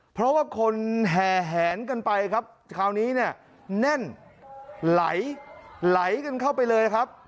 เพราะว่าคนแห่แหนกันไปครับคราวนี้เนี่ยแน่นไหลกันเข้าไปเลยครับ